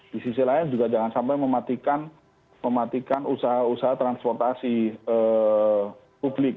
di sisi lain juga jangan sampai mematikan usaha usaha transportasi publik